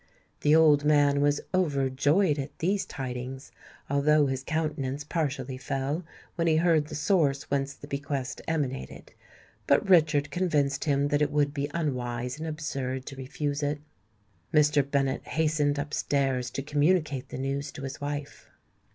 The old man was overjoyed at these tidings, although his countenance partially fell when he heard the source whence the bequest emanated; but Richard convinced him that it would be unwise and absurd to refuse it. Mr. Bennet hastened up stairs to communicate the news to his wife.